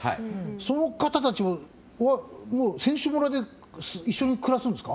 その方たちは選手村で一緒に暮らすんですか。